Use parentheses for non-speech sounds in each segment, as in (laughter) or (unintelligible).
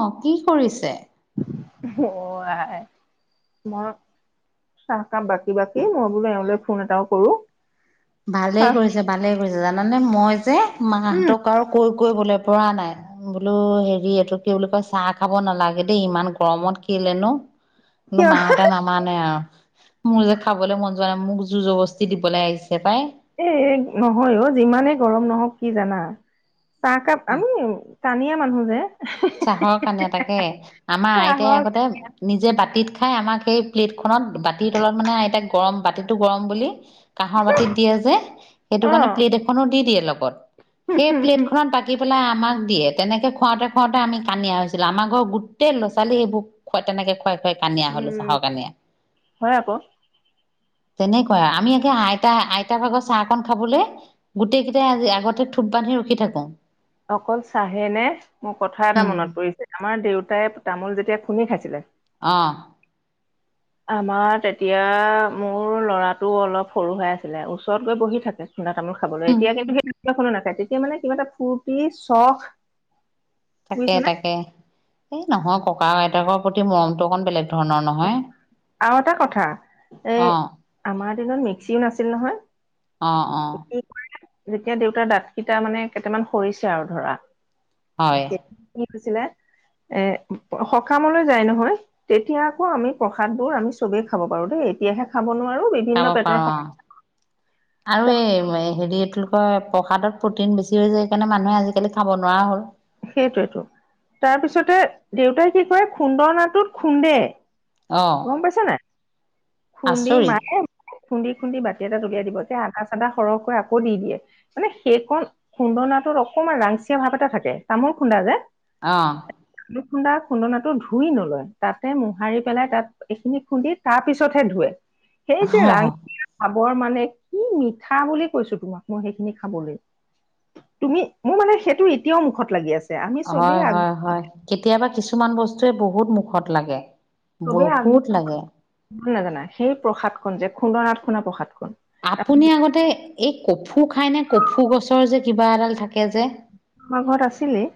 অ কি কৰিছে। অ আই ম- চাহ কাম বাকী বাকী মই বোলো এওঁলৈ ফোন এটাও কৰো। ভালেই চাহ কৰিছে ভালেই কৰিছে জানানে মই যে উম মাহঁতক আৰু কৈ। কৰিবলে পৰা নাই বোলো হেৰি এইটো কি বুলি কয় চাহ খাব নালাগে দেই ইমান গৰমত কি- লে ন কিয় কিন্তু মাহতে নামানে আও। মোৰ যে খাবলৈ মন যোৱা নাই মোক যুৰ জবস্তি দিবলৈ আহিছে পাই। এ নহয় অ যিমানেই গৰম নহওক কি জানা। চাহকাপ আমি কানিয়া মানুহ যে। চাহৰ কাৰণে এ তাকে আমাৰ আইতাই চাহক আগতে নিজে বাতিত। খাই আমাক সেই প্লেট খত বাতিৰ তলত মানে আইত গৰম বাতিটো গৰম বুলি। কাঁহৰ বাতিত দিয়ে যে সেইটো অ কাৰণে প্লেট এখনো দি দিয়ে লগত। সেই প্লেট খনত বাকি পেলাই আমাক দিয়ে তেনেকে খুৱাওঁতে খুৱাওঁতে আমি কানিয়া হৈছিলো আমাৰ ঘৰ গোটেই ল'ৰা ছোৱালী বোক তেনেকে খোৱাই খোৱাই কানিয়া হলো উম চাহৰ কানিয়া। হয় আকৌ (inaudible) তেনেকুৱা আমি আইতা আইতা ভাগৰ চাহকন খাবলৈ গোটেই কেইটাই আজি আগতে থোপ বান্ধি ৰখি থাকো। অকল চাহে নে মোৰ কথা এটা উম মনত পৰিছে। আমাৰ দেউত- তাই তামোল যেতিয়া খুন্দি খাইছিলে, অ আমাৰ তেতিয়া মোৰ ল'ৰাটো অলপ সৰু হৈ আছিলে। ওচৰত গৈ বহি থাকে। খুন্দা তামোল খাবলৈ। উম এতিয়া কিন্তু সি তামোল এখনো নাখায়। তেতিয়া মানে কিবা এটা ফুৰ্তি চখ তাকে বুজিছানে তাকে এই নহয় ককা আইতাকৰ প্ৰতি মৰমটো অকন বেলেগ ধৰণৰ নহয়। আৰু এটা কথা এ অ', আমাৰ দিনত মিক্সিও নাছিল নহয়। অ অ যেতিয়া দেউতাৰ দাঁত কেইটা মানে কেইটামান সৰিছে আৰু ধৰা হয়। খুছিলে এ সকামলৈ যায় নহয়। তেতিয়া আকৌ আমি প্ৰসাদবোৰ আমি চবেই খাব পাৰো দেই। এতিয়াহে খাব নোৱাৰো খাব বিভিন্ন পেটৰ পাৰো অ'। সমস্যা আৰু এই হেৰি এইটো কি কয় প্ৰসাদত প্ৰটিন বেছি হৈ যায়। সেইকাৰণে মানুহে আজিকালি খাব নোৱাৰা হ'ল। সেইটোৱেটো তাৰপিছতে দেউতাই কি কৰে খুন্দনাটোত খুন্দে অ', গম পাইছা নাই খুন্দি আচৰিত মায় খুন্দি খুন্দি বাতি এটা উলিয়াই দিব যে আ চাদা সৰহকৈ আকৌ দি দিয়ে মানে সেইকণ খুন্দনাটোত অকমান ৰাংচিয়া ভাৱ এটা থাকে। তামোল খুন্দা যে অহ খুন্দা খুন্দনাটো ধুই নলয় তাতে মোহাৰি পেলাই তাত এইখিনি খুন্দি তাৰ পিছতহে ধোৱে সেই যে অ', ৰাং- বৰ মানে কি মিঠা বুলি কৈছো তোমাক মই সেইখিনি খাবলৈ। তুমি মোৰ মানে সেইটো এতিয়াও মুখত লাগি আছ- হয় হয় হয় কেতিয়াবা কিছুমান বস্তুৱে বহুত মুখত লাগে। চবেই বহুত আগৰ লাগে। নাজানা সেই প্ৰসাদখনন যে খুন্দনাত শুনা প্ৰসাদ আপুনি আগতে এই কফু খাই নে কফু গছৰ যে কিবা এডাল থাক- আমাৰ ঘৰত আছিলে।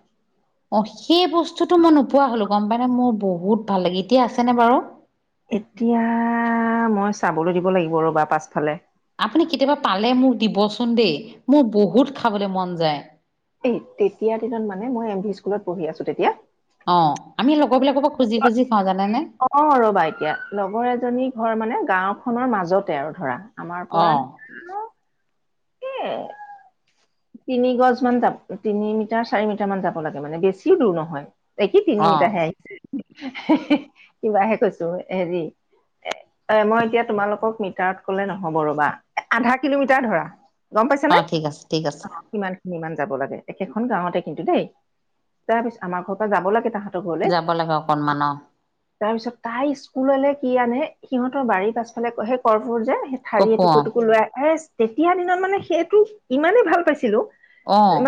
অ সেই বস্তুটো মই নোপোৱা হলো গম পাই নে মোৰ বহুত ভাল লাগে এতিয়া আছে নে বাৰু? এতিয়া মই চাবলৈ দিব লাগিব ৰ'বা পাছফালে আপুনি কেতিয়াবা পালে মোক দিবচোন দেই মোৰ বহুত খাবলৈ মন যায়। এ তেতিয়া দিনত মানে মই এল পি স্কুলত পঢ়ি আছো তেতিয়া অহ অ ৰবা এতিয়া লগৰ এজনী ঘৰ মানে গাওঁ খনৰ মাজতে আৰু ধৰা আমাৰ অ পৰা এহ তিনি গছ মান যাব তিনি মিটাৰ চাৰি মিটাৰ মান যাব লাগে মানে বেছিও দূৰ নহয়। এই কি তিনি অ মিটাৰহে আহিছে কিবাহে কৈছোঁ হেৰি এ মই এতিয়া তোমালোকক মিটাৰত কলে নহব ৰ'বা আধা কিলোমিটাৰ ধৰা। অ ঠিক আছে ঠিক আছে। অ কিমান। কিমান মান যাব লাগে একেখন গাঁৱতে কিন্তু দেই তাৰ পিছত আমাৰ ঘৰৰ পৰা যাব লাগে তাহাঁ যাব লাগে অকনমান অহ তাৰপিছত তাই স্কুললে কি আনে সিহঁতৰ বাৰীৰ পাছফালে সেই কৰ্ফুৰ যে ঠাৰি কফু অ এটুকু এটুকু ‍ লৈ আহে তেতিয়া দিনত মানে সেইটো ইমানেই ভাল পাইছিলোঁ অহ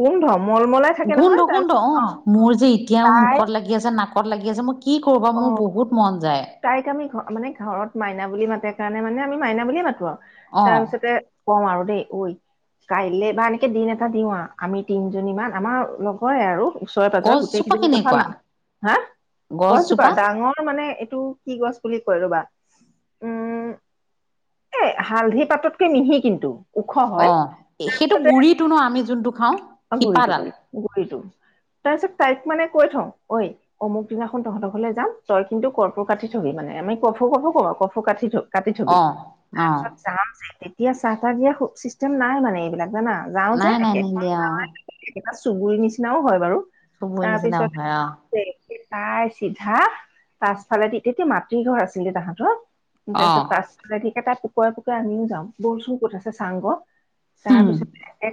গোন্ধ মলমলাই থাকে নহয় গোন্ধ গোন্ধ তাৰপিছত অ মোৰ যে এতিয়াও তাই মুখত লাগি আছে নাক ত লাগি আছে মই কি কৰো বাৰু অ মোৰ বহুত মন যায়। তাইক আমি ঘ মানে ঘৰত মাইনা বুলি মাতে কাৰণে মানে আমি মাইনা বুলিয়ে মাতো আৰু অ তাৰপিছতে ক'ম আৰু দেই ঐ কাইলৈ বা এনেকে দিন এটা দিওঁ আমি তিনজনীমান আমাৰ লগৰে আৰু ওচৰে পাঁজৰে গছজোপা গোটেইকেইজনীৰ কথা কেনেকুৱা নাম হা গছজোপা ডাঙৰ মানে এটো কি গছ বুলি কয় ৰ'বা উম এ হালধি পাততকে মিহি কিন্তু ওখ হয় অ সেইটো তাৰপিছতে গুৰিতো ন আমি যোনটো খাওঁ অ গুৰিটো শিপাডাল গুৰি গুৰি়টো তাৰপিছত তাইক মানে কৈ থওঁ ঐ অমুক দিনাখন তহঁতৰ ঘলে যাম তই কিন্তু কৰ্পোৰ কাটি থবি মানে আমি কফু কফু ক কফ কাটি থলো কাটি থবি অ অ তাৰপিছত যাম যে তেতিয়া চাহ তাহ দিয়া চিষ্টেম নাই মানে এইবিলাক জানা যাওঁ যে নাই নাই একেখন নিদিয়ে অ গাঁও একেটা চুবুৰীৰ নিচিনাও হয় বাৰু সবৰে তাৰ নিছেনা পিছত নহৈ আও তাই চিধা পাছফালে তেতিয়াতে মাতৃ ঘৰ আছিলে তাহাঁতৰ অ তাৰপিছত পাছফালে ঠিকে তাই পুকৰে পুকৰে আমিও যাওঁ বুলচোন ক'ত আছে চাংগ কহ হম তাৰপিছত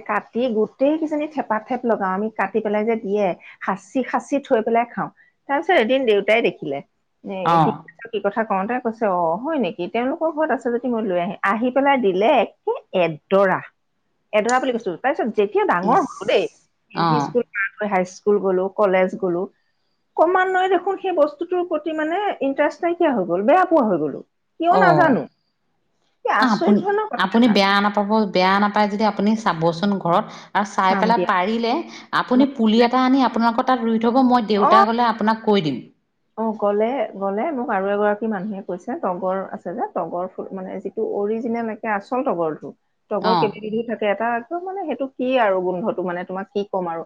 কাটি গোট গোটেই কেইজনি থেপা থেপ লগাও আমি কাটি পেলাই যে দিয়ে সাঁচি খাচি থৈ পেলাই খাওঁ তাৰ পিছত এদিন দেউতাই দেখিলে এ অ কি কি কথা কওঁতেই কৈছে অ হয় নেকি তেওঁলোকৰ ঘৰত আছে যদি মই লৈ আহি আহি পেলাই দিলে একে এদৰে এডৰা বুলি কৈছো তাৰপিছত যেতিয়া ইচ ডাঙৰ হল দেই এল অ P school high school school গলোঁ কলেজ গলোঁ কমান্বয়ে দেখোন সেই বস্তুটোৰ প্ৰতি মানে ইণ্টাৰেষ্ট নাইকিয়া হৈ গ'ল বেয়া পোৱা হৈ গ'লো কিয় অ নাজানো কি আচৰিত আপুনি ধৰণৰ কথা আপুনি এটা বেয়া নাপাব বেয়া নাপায় যদি আপুনি চাবচোন ঘৰত আৰু চাই চাম পেলাই দিয়া পাৰিলে আপুনি পুলি এটা আনি আপোনালোকৰ তাত ৰুই থব মই অ দেউতা গলে আপোনাক কৈ দিম। অ গ'লে গ'লে মোক আৰু এগৰাকী মানুহে কৈছে তগৰ আছে যে তগৰ ফুল মানে যিটো অৰিজিনেল একে আচল তগৰটো তগৰ অ কেইবিবিধি থাকে এটা একদম মানে সেইটো কি আৰু গোন্ধটো মানে তোমাক কি কম আৰু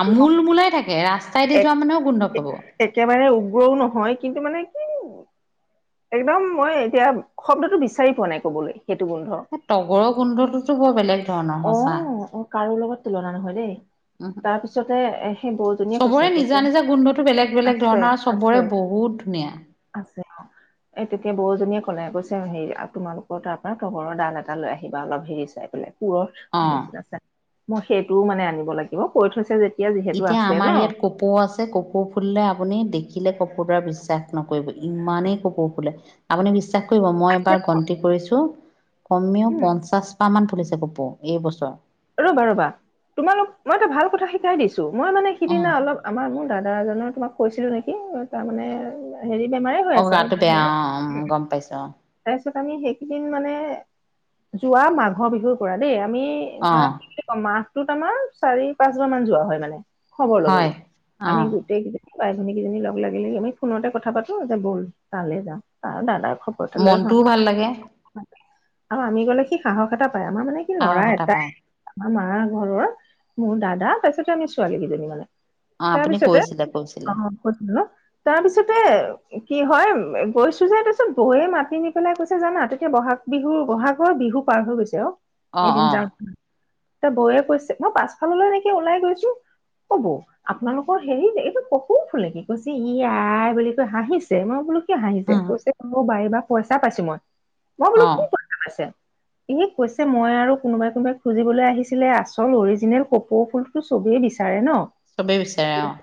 আমোল মোলাই থাকে ৰাস্তাইদি এক যোৱা মানুহেও গোন্ধ পাব একেবাৰে উগ্ৰও নহয় কিন্তু মানে কি একদম মই এতিয়া শব্দতো বিচাৰি পোৱা নাই কবলৈ সেইটো গোন্ধ তগৰৰ গোন্ধটোতো বৰ বেলেগ ধৰণৰ অ সঁচা অ কাৰো লগত তুলনা নহয় দেই। উম তাৰপিছতে এ সেই বৌজনীয়ে চবৰে কৈছে, নিজা কৈছে নিজা গোন্ধটো বেলেগ বেলেগ আছে, ধৰণৰ আৰু চবৰে আছে। বহুত ধুনীয়া। যে অ। এ তেতিয়া বৌজনীয়ে ক'লে কৈছে হেৰি তোমালোকৰ তাৰ পৰা তগৰৰ দাল এটা লৈ আহিবা অলপ হেৰি চাই পেলাই। পুৰৰ, অ (unintelligible) মই সেইটোও মানে আনিব লাগিব। কৈ থৈছে যেত এতিয়া আমাৰ ইয়াত কপৌ আছে। কপৌ ফুলিলে আপুনি দেখিলে কব। পৰা বিশ্বাস নকৰিব, ইমানেই কপৌ ফুলে। আপুনি বিশ্বাস কৰিব। মই এবাৰ গন্তি কৰিছো কমেও উম, পঞ্চাছ পাহ মান ফুলিছে কপৌ এই বছৰ। ৰবা, ৰবা তোমালোক মই এটা ভাল কথা শিকাই দিছো। মই মানে অ সিদিনা অলপ আমাৰ মোৰ দাদা এজনৰ, তোমাক কৈছিলো নেকি? তাৰমানে হেৰি বেমাৰে হৈ অ আছে গাটো বেয়া অ আৰু। (unintelligible) গম পাইছো তাৰপিছত আমি সেইকেইদিন মানে যোৱা মাঘৰ বিহুৰ পৰা দেই। আমি অ অ ধৰা কি বোলি কম মাহটোত আমাৰ চাৰি, পাঁচ বাৰ মান যোৱা হয় মানে। খবৰ লবলে। হয় অ আমি গোটেই কেই ভাই-ভনী কেইজনী লগ লাগি লাগি আমি ফোনতে কথা পাতো যে ব'ল তালে যাওঁ আৰু দাদাৰ খবৰ এটা লৈ আহো মনটোও ভাল লাগে। আৰু আমি গলে সি সাহস এটা পায়। আমাৰ মানে কি লৰা সাহস এটা এটাই। পায় আমাৰ ঘৰৰ মোৰ দাদা তাৰপাছতে আমি ছোৱালীকেইজনী মানে। অ তাৰ আপুনি পিছতে, কৈছিলে কৈছিলে অহঁ কৈছোঁ তাৰ পিছতে কি হয়, গৈছো যে তাপিছত গৈয়ে মাতি নি পেলাই কৈছে জানা, তেতিয়া ব'হাগ বিহু বহাগৰ বিহু পাৰ হৈ গৈছে অহ অ এদিন অ যাওঁ এ বৌয়ে কৈছে মই পাছফাললৈ নেকি ওলাই গৈছোঁ। অ বৌ আপোনালোকৰ হেৰি এইটো কপৌফুল নেকি? কৈছে ই আই বুলি কৈ হাঁহিছে। মই বোলোঁ কিয় হাঁহিছে? কৈছে মোৰ বাৰীৰ পৰা পইচা পাইছো মই। মই অ বোলো কি পইচা পাইছে? এ কৈছে মই আৰু কোনোবাই কোনোবাই খুজিবলৈ আহিছিলে আচল অৰিজিনেল কপৌ ফুলটো চব চবেই বিচাৰে নহ। চবেই বিচাৰে অহ।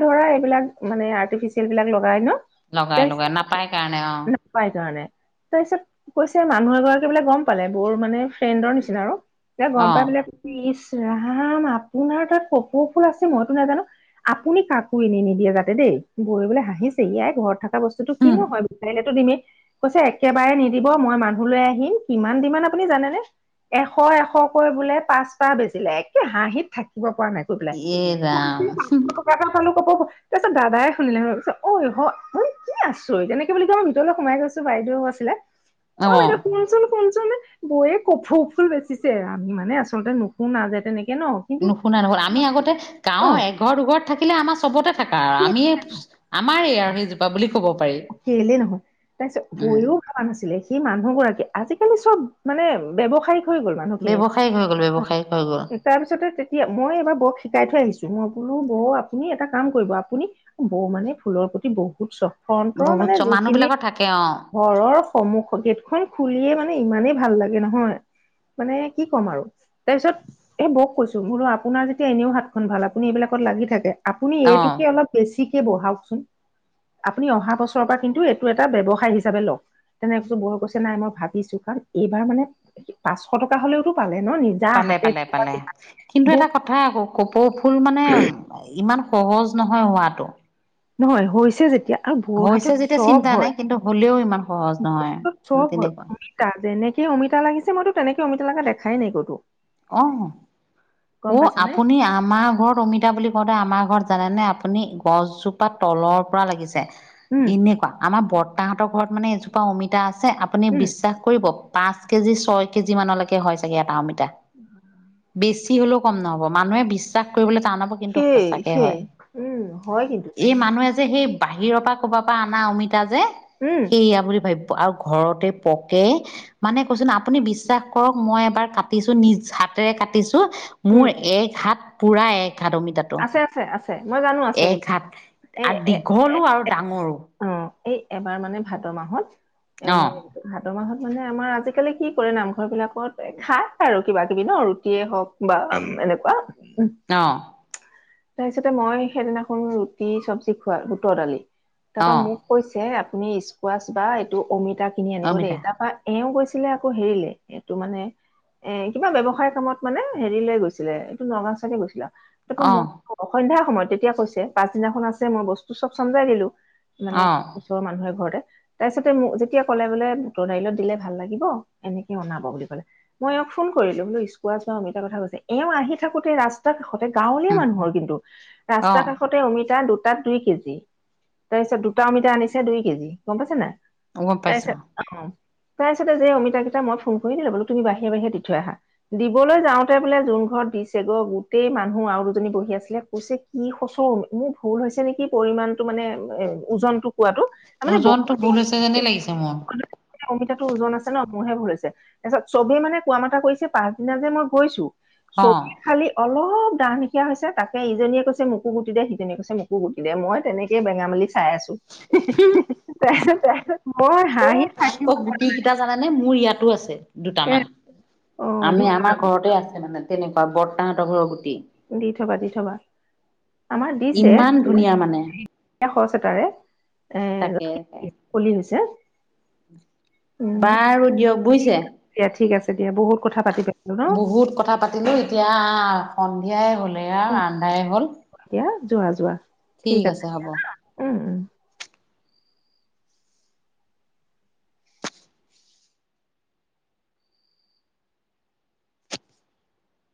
ধৰা এইবিলাক মানে আৰ্টিফিচিয়েল বিলাক লগাই নহ। লগাই, লগায়। নাপায় কাৰণে অহ। সেই কাৰণে। তাৰ পিছত কৈছে মানুহ এগৰাকী বোলে গম পালে বৌৰ মানে ফ্ৰেণ্ডৰ নিচিনা আৰু। এ অ গম পাই বোলে ইছ ৰাম আপোনাৰ তাত কপৌ ফুল আছে, মইতো নাজানো। আপুনি কাকো এনে নিদিয়ে যাতে দেই। বৌৱে বোলে হাঁহিছে। ইয়াই ঘৰত থকা বস্তু হুম কিনো হয়? বিচাৰিলেতো দিমে। কৈছে একেবাৰে নিদিব। মই মানুহ লৈ আহিম। কিমান দিমান আপুনি জানেনে? এশ এশকৈ বোলে পাঁচপাহ বেচিলে। একে হাঁহিত থাকিব পৰা নাই কৈ পেলাই। এ মই ৰাম বোলো পাচশঁ টকা এটা পালোঁ অহঁ তাৰ পিছত দাদাই শুনিলে। (unintelligible) কি আছ ৰিত এনেকে বুলি কয় মই ভিতৰলৈ সোমাই গৈছো। বাইদেও আছিলে। অ বাইদেউ শুন, শুন চোন। বৌৱে কপৌফুল বেচিছে। আমি মানে আচলতে নুশোনা তেনেকে ন কিন্তু নুশুনা, নুশুনা। আমি আগতে অ গাঁৱৰ এঘৰ দুঘৰত থাকিলে আমাৰ চবতে থাকা আৰু আমিয়ে আমাৰেই আৰু সেইজোপা বুলি ক'ব পা কেলেই নহয়। তাৰ পিছত বৌৱেও ভাবা নাছিলে, সি মানুহ গৰাকীয়ে আজি সেইবোৰ চব মানে ব্যৱসায়িক হৈ গল মানুহ খিনি। ব্যৱসায়িক হৈ গ'ল ব্যৱসায়িক হৈ গ'ল তাৰ পিছতে তেতিয়া মই এইবাৰ বৌক শিকাই থৈ আহিছোঁ। মই বোলো বৌ আপুনি এটা কাম কৰিব। আপুনি বৌ মানে ফুলৰ প্ৰতি বহুত চখ ফ্ৰনটৰ বহুত মানে চ মানুহ যিখিনি বিলাকৰ থাকে অ ঘৰৰ সম্মুখৰ গেটখন খুলিয়ে মানে এই ইমানেই ভাল লাগে নহয়। মানে কি ক'ম আৰু। তাৰপিছত এই বৌক কৈছোঁ বোলো আপোনাৰ যেতিয়া এনেও হাতখন ভাল। আপুনি এইবিলাকত লাগি থাকে। আপুনি অ এইটোকে অলপ বেছিকে বহাওঁকচোন। আপুনি অহা বছৰৰ পৰা কিন্তু এইটো এটা ব্যৱসায় হিচাপে লওঁক। তেনে কৈছো বৌয়ে কৈছে নাই? মই ভাবিছো কাৰণ এইবাৰ মানে পাঁচশ টকা হলেওঁতো পালে অহ নিজা পালে হাতে পালে কিবা কপৌফুল মানে ইমান সহজ নহয় হোৱাটো। নহয় হৈছে যেতিয়া আৰু হৈছে বোৰহাটত যেতিয়া চব চিন্তা নাই হয় কিন্তু হ'লেও ইমান সহজ নহয় বহুত চব, তেনেকুৱা অমিতা, যেনেকে অমিতা লাগিছে মইতো তেনেকে অমিতা লগা দেখাই নাই কতোঁ। অহ, অহ আপুনি আমাৰ ঘৰত অমিতা বুলি কওঁতে আমাৰ ঘৰত। জানেনে আপুনি গছজোপা তলৰ পৰা লাগিছে উম এনেকুৱা আমাৰ। তাহঁতৰ ঘৰত মানে এজোপা অমিতা আছে। আপুনি উম বিশ্বাস কৰিব। পাঁচ কেজি ছয় কেজি মানলৈকে হয় চাগে এটা অমিতা বেছি। বেছি হ'লেও কম নহ'ব মানুহে বিশ্বাস। কৰিবলৈ টান হব কিন্তু সেই সচাঁকে সেই হয় উম হয় কিন্তু এই মানুহ এজনে যে সেই বাহিৰৰ পৰা ক'বাৰ পৰা আনা অমিতা যে উম সেইয়া বুলি ভাবি। আৰু ঘৰতে পকে মানে কৈছোন আপুনি। বিশ্বাস কৰক মই এবাৰ কাটিছো নিজ হাতেৰে কাটিছো উম মোৰ এক হাত পুৰা এক হাত অমিতাটো। আছে আছে আছে মই জানো আছে এক বুলি হাত এ আৰু এ দীঘলো আৰু ডাঙৰো অ' এই এবাৰ মানে ভাদ্ৰ মাহত এ অ মই ভাদ্ৰ মাহত। মানে আমাৰ আজিকালি কি কৰে। নামঘৰ বিলাকত খাই আৰু কিবা কিবি ন ৰুটিয়ে হওক বা এনেকুৱা। উ অ' তাৰপিছতে মই সেইদিনাখন ৰুটি চব্জি খোৱা বুটৰ দালি। অ তাৰপা মোক কৈছে আপুনি স্কোৱাচ বা এইটো অমিতা কিনি আনিব দেই অমিতা তাৰপা এওঁ কৈছে। ছিলে আকৌ হেৰিলে এইটো মানে এ কিবা ব্যৱসায় কামত মানে হেৰি লৈ গৈছিলে এইটো নগাঁও ছাইডে গৈছিলা। তাৰপৰা অ মই সন্ধয়াৰ সময়ত তেতিয়া কৈছে পাছদিনাখন আছে মই বস্তু চব চম্জাই দিলো। মানে অ ওচৰৰ মানুহে ঘৰতে। তাৰ পিছতে মোক যেতিয়া ক'লে বোলে। বুটৰ দাইলত দিলে ভাল লাগিব এনেকে বনাব বুলি কলে মই ফোন কৰিলো মোৰ স্কোৱাছ অমিতাৰ কথা কৈছে এওঁ আহি থাকোতে ৰাস্তা কাষতে গাঁৱলীয়া উম মানুহৰ কিন্তু অ ৰাস্তা কাষতে অমিতা দু তাত দুই কেজি তাৰপিছত দুটা অমিতা আনিছে দুই কেজি গম পাইছে নাই। গম তাই চ পাইছো অ' তাৰপিছতে যে অমিতাাকেইটা মই ফোন কৰি দিলো বোলো তুমি বাহিৰ বাহিৰে দি থৈ আহা দিবলৈ যাওঁতে বোলে যোন ঘৰ দিছেগ গোটেই মানুহ আৰু দুজনী বহি আছিল কৈছে কি হৈছে অ' মোৰ ভুল হৈছে নেকি? পৰিমাণটো মানে ওজনটো। কোৱাাতো তাৰমানে বহুত ওজনটো ভুল হৈছে যেনেই লাগিছে মোৰ (unintelligible) অমিতা ওজন আছে নাই (unintelligible) তাৰপিছত চবেই মানে কোৱা মতা কৰিছে। পাছদিনা যে মই গৈছো অ চব খালি অলপ। গা সেকীয়া হৈছে তাকে ইজনীয়ে কৈছে। মোক গুটি দিয়ক সিজনীয়ে কৈছে মোকো গুটি দে মই তেনেকেই বনালো। চাই আছো (unintelligible) (unintelligible) তাৰপাছত মই হাঁহি থাকিব এ গুটি কেইটা জানানে মোৰ ইয়াতো আছে। দুটামান অ দি আমি থবা আমাৰ ঘৰতে আছে মানে। তেনেকুৱা বৰ্তাহতৰ ঘোৰৰ দি থবা দি থবা আমাৰ দিছে। ইমান ধুনীয়া মানে (unintelligible) শচেতাৰে এ তাকে ৰাখ (unintelligible) কলি হৈছে উম বাৰু দিয়ক বুজিছে। দিয়া ঠিক আছে দিয়া বহুত কথা পাতি পেলালো ন বহুত কথা পাতিলো এতিয়া। সন্ধিয়াই হ'ল এইয়া অ আন্ধাই হ'ল। দিয়া যোৱা যোৱা। ঠিক আছে হ'ব। উম উম